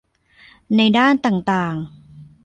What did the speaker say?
ในด้านต่างต่าง